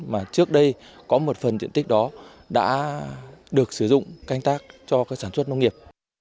mà trước đây có một phần diện tích đó đã được sử dụng canh tác cho sản xuất nông nghiệp